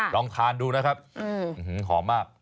ลองทานดูนะครับหอมมาก